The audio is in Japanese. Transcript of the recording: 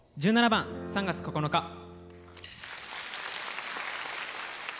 １７番「３月９日」。